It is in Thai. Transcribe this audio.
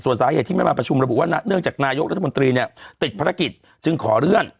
ส่วนสาเหตุที่ไม่มาประชุมระบุว่าเนื่องจากนายกรัฐมนตรีเนี่ยติดภารกิจจึงขอเลื่อน